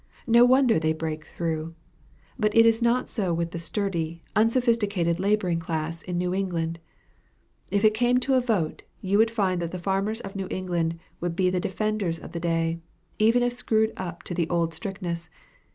No wonder they break through. But it is not so with the sturdy, unsophisticated laboring class in New England. If it came to a vote, you would find that the farmers of New England would be the defenders of the day, even if screwed up to the old strictness.